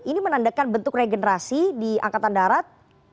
ini menandakan bentuk regenerasi di angkatan darat